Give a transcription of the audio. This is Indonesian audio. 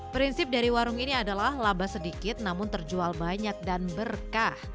prinsip dari warung ini adalah laba sedikit namun terjual banyak dan berkah